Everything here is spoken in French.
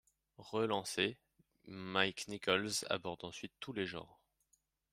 Relancé, Mike Nichols aborde ensuite tous les genres.